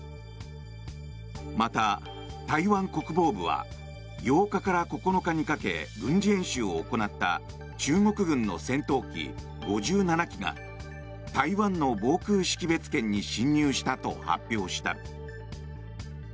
また、台湾国防部は８日から９日にかけ軍事演習を行った中国軍の戦闘機５７機が台湾の防空識別圏に進入したと発表した。